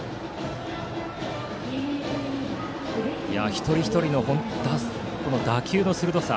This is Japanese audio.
一人一人の打球の鋭さ。